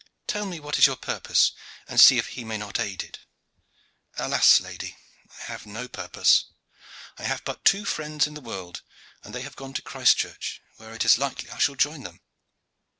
Tell me what is your purpose, and see if he may not aid it." "Alas! lady, I have now no purpose. I have but two friends in the world, and they have gone to Christchurch, where it is likely I shall join them."